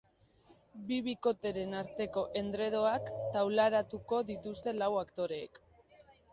Bi bikoteren arteko endredoak taularatuko dituzte lau aktoreek.